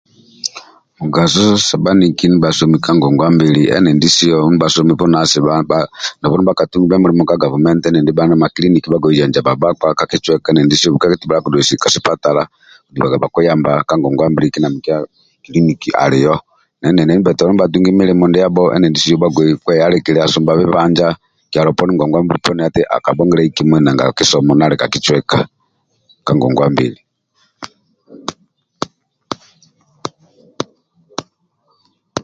Mugaso sa bhani ndibh somi ka ngongwa mbili endindisio ndibha somi bunasi nobu ndia bhakatungimbe milimo ka gavumenti endindi bhali na makiliniki bhagbei janjabha bhakpa ka kicweka endindisio nkali akigia eti bhandoise ka sipatala okudunaga nibhukuya ka ngongwa mbili kindia kiliniki alio endindi ndibha bhatungi milindiabho bhagbei kweyalilkilia sumba bibanja kyalo poni ngongwa mbili poni akabhongiliai kimui nanga kisomo ka kicweka ka ngongwa mbili